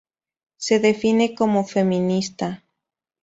Se define como feminista.